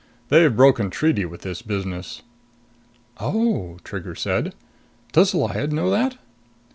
They've broken treaty with this business." "Oh," Trigger said. "Does Lyad know that?"